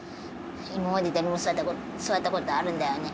今まで誰も座った事座った事あるんだよね？